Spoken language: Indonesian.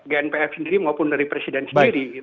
gnpf sendiri maupun dari presiden sendiri